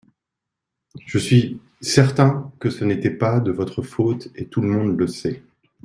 Je suis certain que ce n’était pas de votre faute et tout le monde le sait.